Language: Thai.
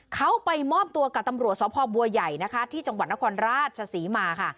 เขาไปมอบตัวกับตำรวจสพบัวใหญ่นะคะที่จังหวัดนครราชศรีมาค่ะ